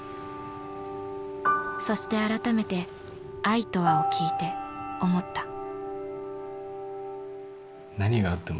そして改めて「あいとわ」を聴いて思った。